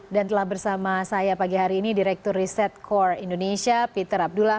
dan telah bersama saya pagi hari ini direktur riset core indonesia peter abdullah